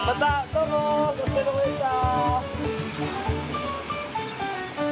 どうもお疲れさまでした。